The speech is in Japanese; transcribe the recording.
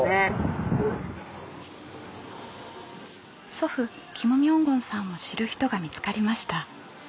祖父キム・ミョンゴンさんを知る人が見つかりました。